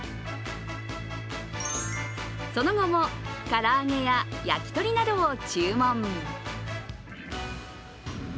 その後も、唐揚げや焼き鳥などを注文。